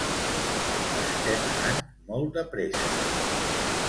Estem anant molt de pressa.